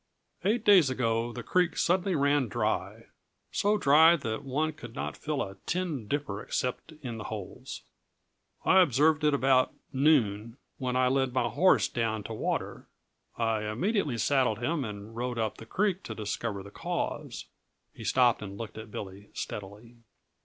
Eight days ago the creek suddenly ran dry so dry that one could not fill a tin dipper except in the holes. I observed it about noon, when I led my horse down to water. I immediately saddled him and rode up the creek to discover the cause." He stopped and looked at Billy steadily.